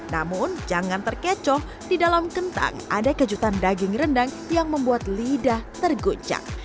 namun jangan terkecoh di dalam kentang ada kejutan daging rendang yang membuat lidah terguncang